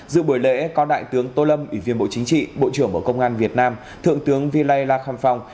dự buổi lễ có đại tướng tô lâm ủy viên bộ chính trị bộ trưởng bộ công an việt nam thượng tướng vy lai la kham phong